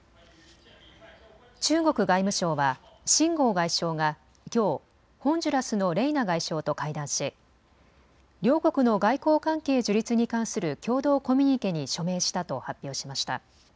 中国外務省は秦剛外相がきょうホンジュラスのレイナ外相と会談し両国の外交関係樹立に関する共同コミュニケに署名したと発表しました。